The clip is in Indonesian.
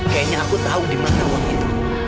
kayaknya aku tau dimana uang itu